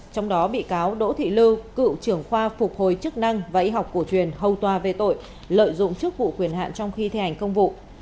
trong đó bị cáo đỗ thị lưu cựu trưởng khoa phục hồi chức năng và y học cổ truyền hầu tòa về tội lợi dụng chức vụ quyền hạn trong khi thi hành công vụ